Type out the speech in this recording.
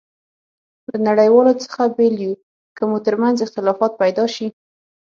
له نړیوالو څخه بېل یو، که مو ترمنځ اختلافات پيدا شي.